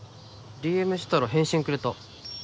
ＤＭしたら返信くれた。